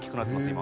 今。